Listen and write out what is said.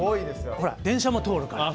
ほら電車も通るから。